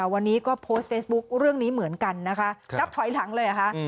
วันนี้ก็โพสต์เฟซบุ๊คเรื่องนี้เหมือนกันนะคะนับถอยหลังเลยเหรอคะ